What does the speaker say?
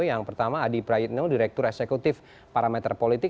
yang pertama adi prayitno direktur eksekutif parameter politik